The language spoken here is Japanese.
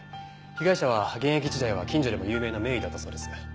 被害者は現役時代は近所でも有名な名医だったそうです。